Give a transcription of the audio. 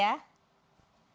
alhamdulillah sehat mbak